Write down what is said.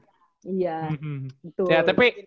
iya betul ya tapi